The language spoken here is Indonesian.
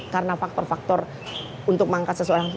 karena faktor faktor untuk mengangkat seseorang